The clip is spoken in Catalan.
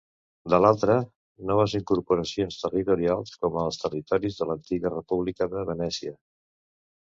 De l'altra, noves incorporacions territorials com els territoris de l'antiga República de Venècia.